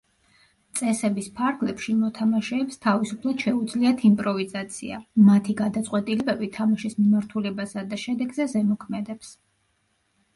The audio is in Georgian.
წესების ფარგლებში მოთამაშეებს თავისუფლად შეუძლიათ იმპროვიზაცია; მათი გადაწყვეტილებები თამაშის მიმართულებასა და შედეგზე ზემოქმედებს.